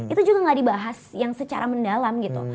itu juga nggak dibahas yang secara mendalam gitu